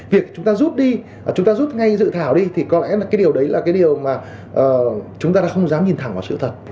việc chúng ta rút đi chúng ta rút ngay dự thảo đi thì có lẽ là cái điều đấy là cái điều mà chúng ta đã không dám nhìn thẳng vào sự thật